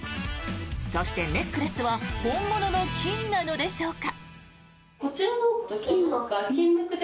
そして、ネックレスは本物の金なのでしょうか。